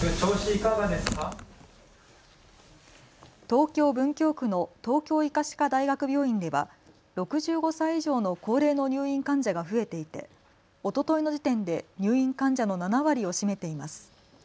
東京文京区の東京医科歯科大学病院では６５歳以上の高齢の入院患者が増えていておとといの時点で入院患者の７割を占めています。